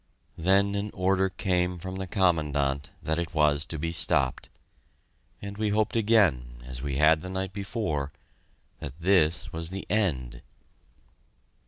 Then an order came from the Commandant that it was to be stopped and we hoped again, as we had the night before, that this was the end.